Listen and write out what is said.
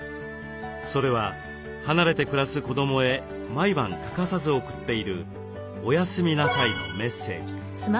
それは離れて暮らす子どもへ毎晩欠かさず送っている「おやすみなさい」のメッセージ。